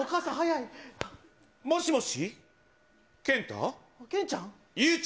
もしもし。